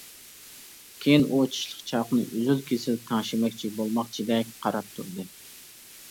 كېيىن ئۇ چىشلىق چاقىنى ئۈزۈل-كېسىل تەڭشىمەكچى بولماقچىدەك قاراپ تۇردى.